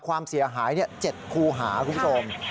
ความเสียหาย๗คูหาคุณผู้ชม